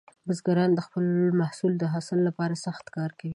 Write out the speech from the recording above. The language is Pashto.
بزګران د خپل محصول د حاصل لپاره سخت کار کاوه.